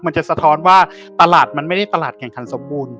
สะท้อนว่าตลาดมันไม่ได้ตลาดแข่งขันสมบูรณ